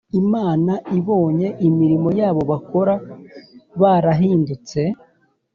Imana ibonye imirimo yabo bakora barahindutse